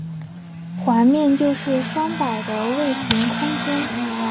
环面就是双摆的位形空间。